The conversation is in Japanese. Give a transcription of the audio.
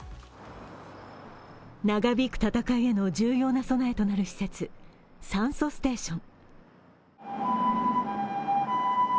長引く戦いへの重要な備えとなる施設、酸素ステーション。